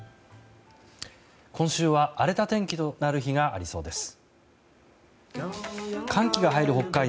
今週は荒れた天気となる日がありそうです。